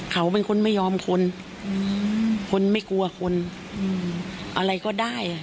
เขาเป็นคนไม่ยอมคนคนไม่กลัวคนอะไรก็ได้